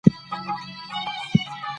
صبر په فقر کې سخت دی.